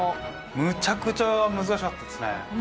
むちゃくちゃ難しかったですね。